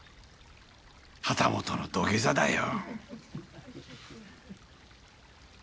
旗本の土下座だよ。